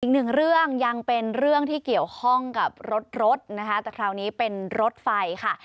อีกหนึ่งเรื่องยังเป็นเรื่องที่เกี่ยวข้องกับรถรถนะคะแต่คราวนี้เป็นรถไฟค่ะ